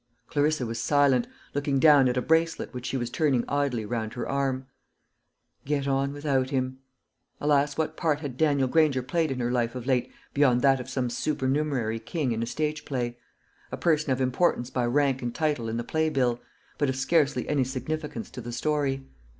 Clarissa was silent, looking down at a bracelet which she was turning idly round her arm. Get on without him! Alas, what part had Daniel Granger played in her life of late beyond that of some supernumerary king in a stage play? a person of importance by rank and title in the play bill, but of scarcely any significance to the story.